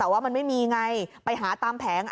แต่ว่ามันไม่มีไงไปหาตามแผง